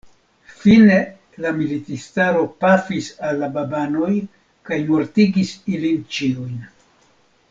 Fine la militistaro pafis al la babanoj kaj mortigis ilin ĉiujn.